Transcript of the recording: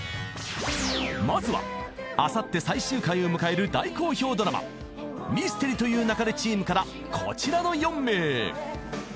［まずはあさって最終回を迎える大好評ドラマ『ミステリと言う勿れ』チームからこちらの４名］